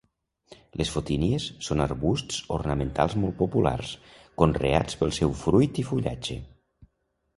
Les fotínies són arbusts ornamentals molt populars, conreats pel seu fruit i fullatge.